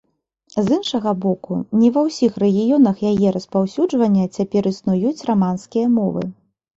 З іншага боку, не ва ўсіх рэгіёнах яе распаўсюджвання цяпер існуюць раманскія мовы.